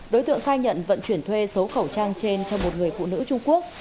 đối tượng khai nhận vận chuyển thuê số khẩu trang trên cho một người phụ nữ trung quốc